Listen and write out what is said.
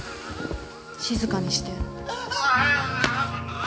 静かにして。